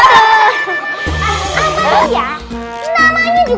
apa ya namanya juga kacang hijau